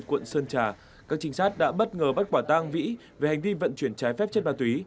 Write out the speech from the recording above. quận sơn trà các trinh sát đã bất ngờ bắt quả tang vĩ về hành vi vận chuyển trái phép chất ma túy